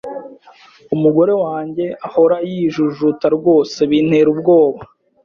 Umugore wanjye ahora yijujuta rwose bintera ubwoba.